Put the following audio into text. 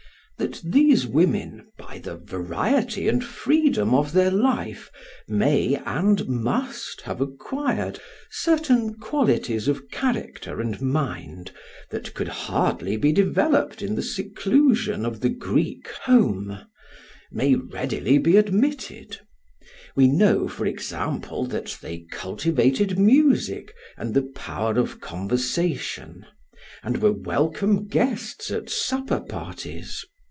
That these women, by the variety and freedom of their life, may and must have acquired certain qualities of character and mind that could hardly be developed in the seclusion of the Greek home, may readily be admitted; we know, for example, that they cultivated music and the power of conversation; and were welcome guests at supper parties.